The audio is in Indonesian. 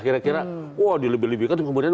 kira kira wah dilebih lebihkan kemudian